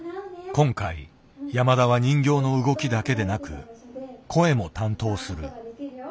今回山田は人形の動きだけでなく声も担当する。